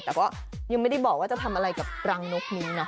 แต่ก็ยังไม่ได้บอกว่าจะทำอะไรกับรังนกนี้นะ